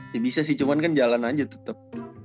ya bisa sih cuman kan jalan aja tetep